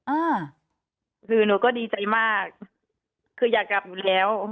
อ่าคือหนูก็ดีใจมากคืออยากกลับอยู่แล้ว